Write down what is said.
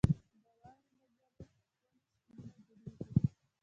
• د واورې له ذرې ښکلي شکلونه جوړېږي.